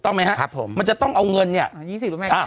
ต้องไหมฮะครับผมมันจะต้องเอาเงินเนี้ยอ่ายี่สิบหรือไหมอ่ะ